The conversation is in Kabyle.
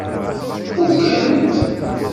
Fuken-t.